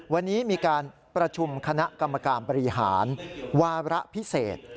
วันนี้มีการประชุมคณะกรรมการบริหารวาระพิเศษ